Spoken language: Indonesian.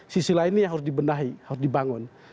sisi lainnya yang harus dibenahi harus dibangun